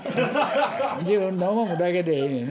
自分の思うことだけでええねんな。